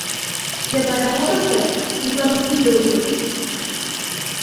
«Кӧ пашам ок ыште, тудлан кинде уке», — мане.